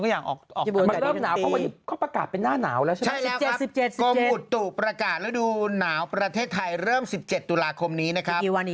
เขาบอกนะครับผมว่าคุณว่ากันว่า